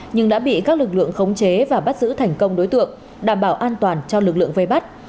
nhưng đã bị các lực lượng khống chế và bắt giữ thành công đối tượng đảm bảo an toàn cho lực lượng vây bắt